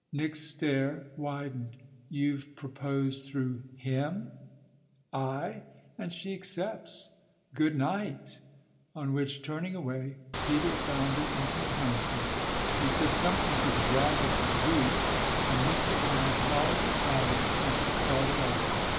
'" Nick's stare widened. "You've proposed through him?" "Aye, and she accepts. Good night!" on which, turning away, Peter bounded into a hansom. He said something to the driver through the roof, and Nick's eyes followed the cab as it started off.